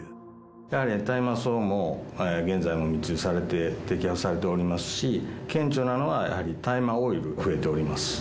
やはり大麻草も、現在も密輸されて、摘発されておりますし、顕著なのが、やはり大麻オイル、増えております。